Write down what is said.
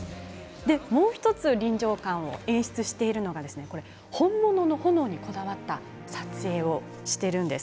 もう１つ臨場感を演出しているのが本物の炎にこだわった撮影をしているんです。